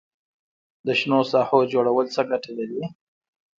د شنو ساحو جوړول څه ګټه لري؟